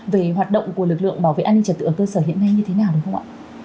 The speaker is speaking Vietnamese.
về hoạt động của lực lượng bảo vệ an ninh trật tự ở cơ sở hiện nay như thế nào đúng không ạ